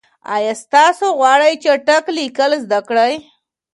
آیا تاسو غواړئ چټک لیکل زده کړئ؟